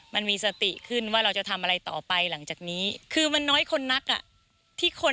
มันมีสติขึ้นว่าเราจะทำอะไรต่อไปหลังจากนี้